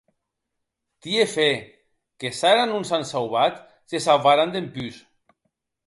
Tie fe que, s'ara non s'an sauvat, se sauvaràn dempús.